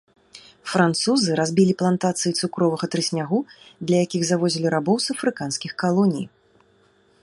Французы разбілі плантацыі цукровага трыснягу, для якіх завозілі рабоў з афрыканскіх калоній.